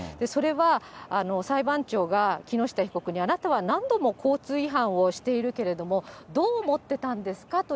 それは、裁判長が木下被告に、あなたは何度も交通違反をしているけれども、どう思ってたんですか？